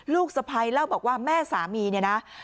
สะพ้ายเล่าบอกว่าแม่สามีเนี่ยนะ